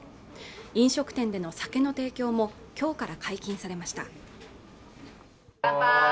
飲食店での酒の提供も今日から解禁されました